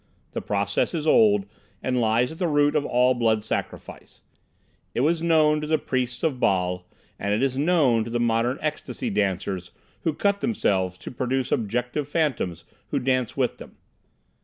The process is old, and lies at the root of all blood sacrifice. It was known to the priests of Baal, and it is known to the modern ecstasy dancers who cut themselves to produce objective phantoms who dance with them.